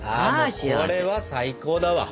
これは最高だわ。